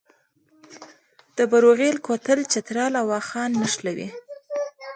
د بروغیل کوتل چترال او واخان نښلوي